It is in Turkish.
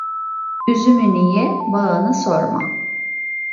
Üzümünü ye, bağını sorma.